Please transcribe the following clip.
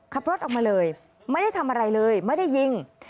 ขับรถออกมาเลยไม่ได้ทำอะไรเลยไม่ได้ยิง